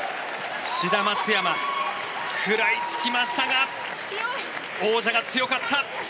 志田・松山食らいつきましたが王者が強かった。